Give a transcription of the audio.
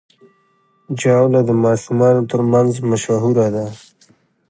ژاوله د ماشومانو ترمنځ مشهوره ده.